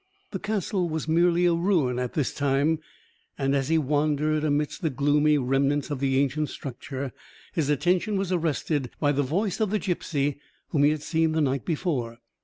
The castle was merely a ruin at this time, and as he wandered amidst the gloomy remnants of the ancient structure, his attention was arrested by the voice of the gipsy whom he had seen the night before.